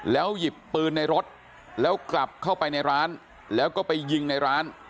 หยิบปืนในรถแล้วกลับเข้าไปในร้านแล้วก็ไปยิงในร้าน